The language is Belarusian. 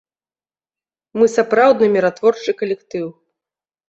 Мы сапраўдны міратворчы калектыў.